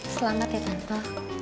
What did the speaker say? selamat ya tante